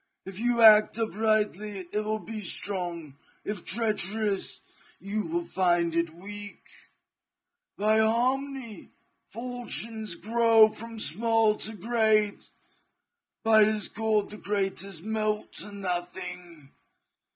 If you act uprightly it will be strong, if treacherous, you will find it weak. By harmony, fortunes grow from small to great ; by discord the greatest melt to nothing.